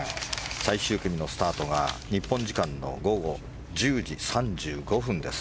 最終組のスタートが日本時間の午後１０時３５分です。